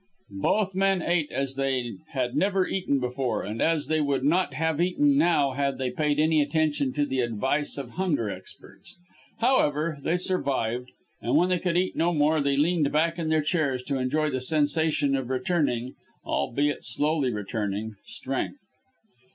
Both men ate as they had never eaten before, and as they would not have eaten now had they paid any attention to the advice of hunger experts. However, they survived, and when they could eat no more they leaned back in their chairs to enjoy the sensation of returning albeit, slowly returning strength.